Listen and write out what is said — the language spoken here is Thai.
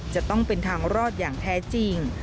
จะต้องเป็นทางรอดอย่างแท้จริง